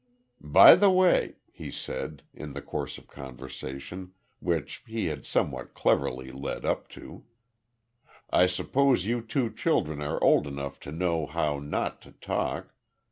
"By the way," he said, in the course of conversation, which he had somewhat cleverly led up to, "I suppose you two children are old enough to know how not to talk.